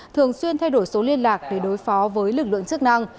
thường xuyên thay đổi số liên lạc để đối phó với lực lượng chức năng